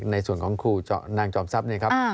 ในส่วนของครูนางจอมทรัพย์เนี่ยครับ